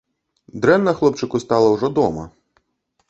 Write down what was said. Дрэнна хлопчыку стала ўжо дома.